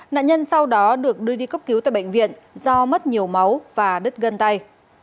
nạn nhân sau đó được đưa đi cấp cứu tại bệnh viện do mất nhiều máu và đứt gân tay